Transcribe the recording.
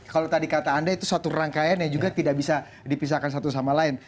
kalau tadi kata anda itu satu rangkaian yang juga tidak bisa dipisahkan satu sama lain